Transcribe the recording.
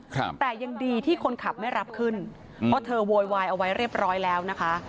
ครับแต่ยังดีที่คนขับไม่รับขึ้นเพราะเธอโวยวายเอาไว้เรียบร้อยแล้วนะคะ